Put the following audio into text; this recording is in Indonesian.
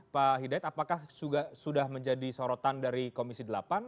pak hidayat apakah sudah menjadi sorotan dari komisi delapan